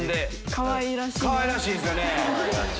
かわいらしいですよね。